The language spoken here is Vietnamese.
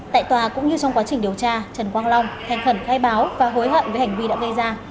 tại tòa cũng như trong quá trình điều tra trần quang long thành khẩn khai báo và hối hận với hành vi đã gây ra